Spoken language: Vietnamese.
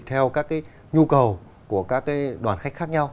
theo các nhu cầu của các đoàn khách khác nhau